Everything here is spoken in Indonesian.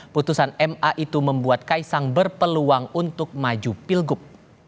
putusan ma itu membuat kaisang berpeluang untuk maju pilgub